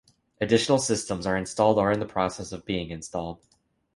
Additional systems are installed or in the process of being installed.